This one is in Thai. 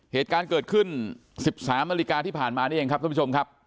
เหตุการณ์เกิดขึ้น๑๓นาฬิกาที่ผ่านมานี่เองครับท่านผู้ชมครับ